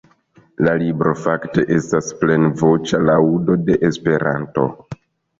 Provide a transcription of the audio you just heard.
La libro fakte estas plenvoĉa laŭdo de Esperanto.